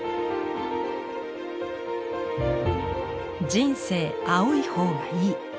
「人生青い方がいい」。